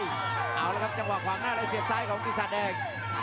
เอาละครับจังหวะขวางหน้าเลยเสียบซ้ายของปีศาจแดง